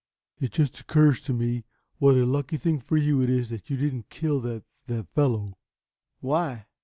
"It just occurs to me. What a lucky thing for you it is that you didn't kill that that fellow." "Why?"